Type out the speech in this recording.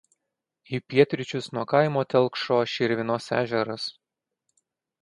Į pietryčius nuo kaimo telkšo Širvėnos ežeras.